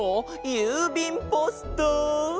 ゆうびんポスト。